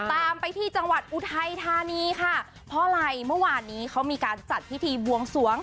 ตามไปที่จังหวัดอุทัยธานีค่ะเพราะอะไรเมื่อวานนี้เขามีการจัดพิธีบวงสวง